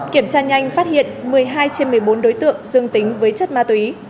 kiểm tra nhanh phát hiện một mươi hai trên một mươi bốn đối tượng dương tính với chất ma túy